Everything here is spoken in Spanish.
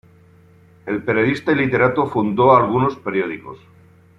El periodista y literato, fundó algunos periódicos.